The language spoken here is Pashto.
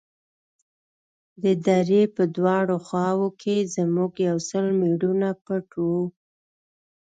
د درې په دواړو خواوو کښې زموږ يو سل مېړونه پټ وو.